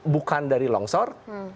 bukan dari longsor